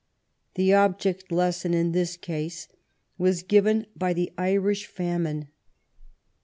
The object lesson in this case was given by the Irish Famine.